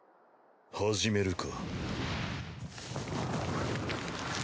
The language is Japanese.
始めるか。